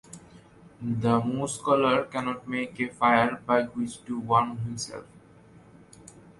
The moose-caller cannot make a fire by which to warm himself.